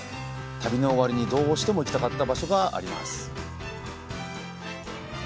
旅の終わりにどうしても行きたかった場所があります。